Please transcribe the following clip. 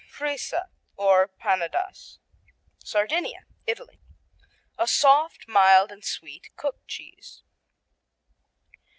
Fresa, or Pannedas Sardinia, Italy A soft, mild and sweet cooked cheese.